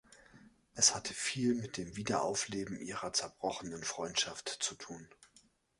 Es hatte viel mit dem Wiederaufleben ihrer zerbrochenen Freundschaft zu tun.